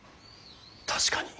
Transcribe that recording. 確かに。